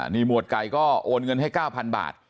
นี่หวดไก่ก็โอนเงินให้๙๐๐บาท